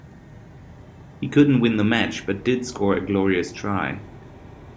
He couldn't win the match but did score a glorious try.